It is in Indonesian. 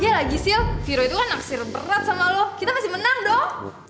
iyalah gisil viro itu kan naksir berat sama lo kita pasti menang dong